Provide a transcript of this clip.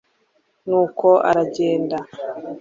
nuko aragenda